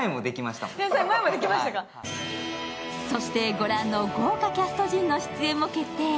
そしてご覧の豪華キャスト陣の出演も決定。